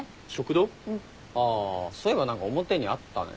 あそういえば何か表にあったね。